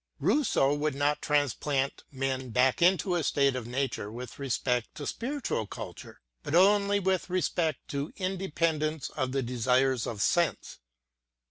Rousseau would not transplant men back into a State of Nature with respect to spiritual culture, but only with ct to independence of the desires of sense.